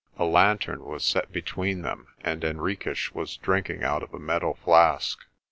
A lantern was set between them and Henriques was drinking out of a metal flask.